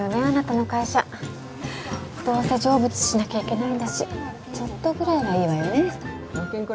あなたの会社どうせ成仏しなきゃいけないんだしちょっとぐらいはいいわよね・